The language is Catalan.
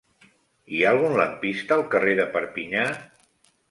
Hi ha algun lampista al carrer de Perpinyà?